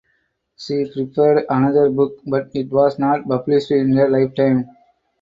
She prepared another book but it was not published in her lifetime.